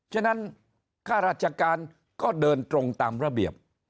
ฉะนั้นข้าราชการก็เดินตรงตามระเบียบ